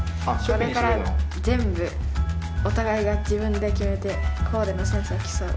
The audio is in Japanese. これから全部お互いが自分で決めてコーデのセンスを競う。